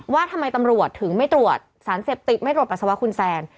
ว่าทำไมตำรวจถึงไม่ตรวจสารเสพติดไม่ตรวจปัสสาวะคุณแซน